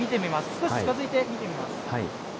少し近づいて見てみます。